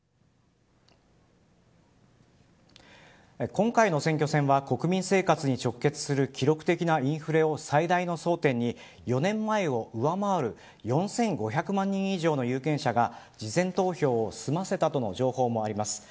今回の選挙戦は、国民生活に直結する記録的なインフレを最大の争点に、４年前を上回る４５００万人以上の有権者が事前投票を済ませたとの情報もあります。